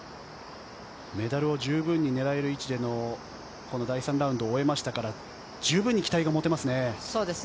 メダルを十分に狙える位置での第３ラウンドを終えましたからそうですね。